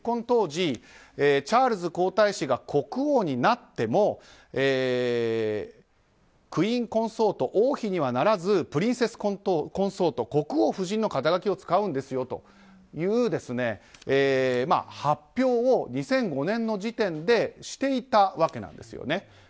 当時チャールズ皇太子が国王になってもクイーン・コンソート王妃にはならずプリンセス・コンソート国王夫人の肩書を使うんですよという発表を２００５年の時点でしていたわけなんです。